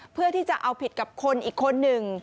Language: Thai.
เพื่อที่จะเอาผิดกับคนอีกคนหนึ่ง